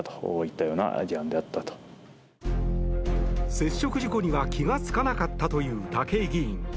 接触事故には気がつかなかったという武井議員。